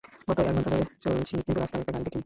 গত এক ঘন্টা ধরে চলছি কিন্তু রাস্তায় একটা গাড়িও দেখিনি।